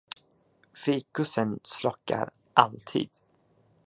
Fikusen slokar alltid.